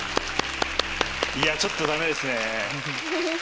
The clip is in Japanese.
いやちょっとダメですね。